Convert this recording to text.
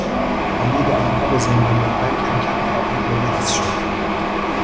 امید آنها به زنده ماندن کمکم تبدیل به یاس شد.